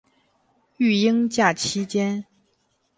育婴假期间